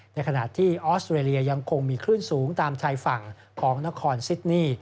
ในขณะที่ออสเตรเลียยังคงมีคลื่นสูงตามชายฝั่งของนครซิดนี่